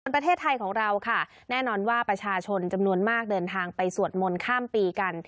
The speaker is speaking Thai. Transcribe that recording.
ประเทศไทยของเราค่ะแน่นอนว่าประชาชนจำนวนมากเดินทางไปสวดมนต์ข้ามปีกัน